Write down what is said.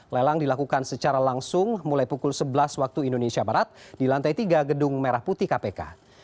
lelang dilakukan secara langsung mulai pukul sebelas waktu indonesia barat di lantai tiga gedung merah putih kpk